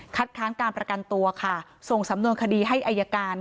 ค้านการประกันตัวค่ะส่งสำนวนคดีให้อายการ